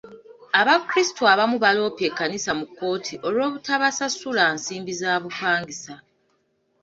Abakrisitu abamu baloopye ekkanisa mu kkooti olw'obutabasasula nsimbi za bupangisa.